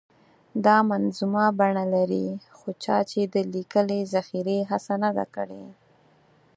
دا منظومه بڼه لري خو چا یې د لیکلې ذخیرې هڅه نه ده کړې.